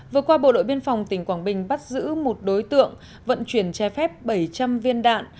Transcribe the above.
vừa qua bộ đội biên phòng tỉnh quảng bình bắt giữ một đối tượng vận chuyển trái phép bảy trăm linh viên đạn